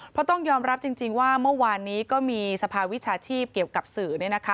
เพราะต้องยอมรับจริงว่าเมื่อวานนี้ก็มีสภาวิชาชีพเกี่ยวกับสื่อ